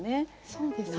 そうですね。